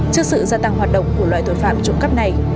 trước sự gia tăng hoạt động của loại tội phạm trộm cắp này